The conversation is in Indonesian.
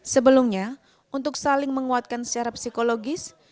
sebelumnya untuk saling menguatkan secara psikologis